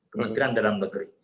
kementerian dalam negeri